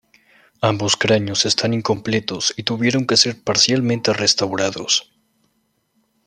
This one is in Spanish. Ambos cráneos están incompletos y tuvieron que ser parcialmente restaurados.